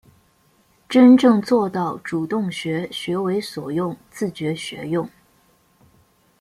真正做到主动学、学为所用、自觉学用